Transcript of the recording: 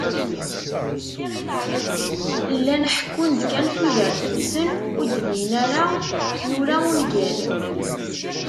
Llan ḥekkun-d kan tudert-nsen, u ad d-inin ata nura ungal.